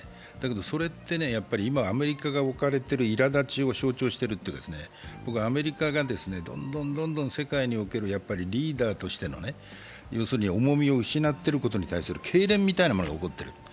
だけど、それって今、アメリカが置かれているいら立ちを象徴しているというか僕はアメリカがどんどんどんどん世界におけるリーダーとしての重みを失ってることに対するけいれんみたいなことが起こってる。